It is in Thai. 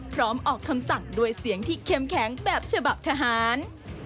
ออกคำสั่งด้วยเสียงที่เข้มแข็งแบบฉบับทหาร